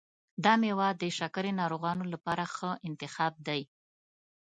دا میوه د شکرې ناروغانو لپاره ښه انتخاب دی.